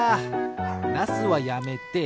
ナスはやめて。